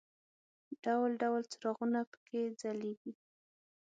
ډول ډول څراغونه په کې ځلېږي.